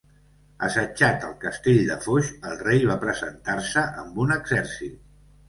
Assetjat al castell de Foix, el rei va presentar-se amb un exèrcit.